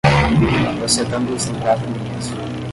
Os retângulos têm quatro linhas.